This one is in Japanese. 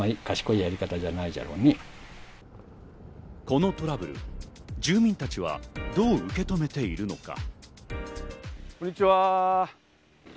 このトラブル、住民たちはどう受け止めているのか。